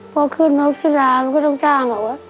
พอขึ้นรถสลามก็ต้องจ้างอะวะ